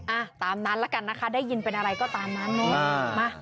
อ่ะตามนั้นละกันนะคะได้ยินเป็นอะไรก็ตามนั้นเนอะ